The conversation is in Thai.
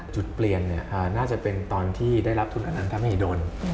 จุดเปลี่ยนน่าจะเป็นตอนที่ได้รับทุนอนันทมหิดล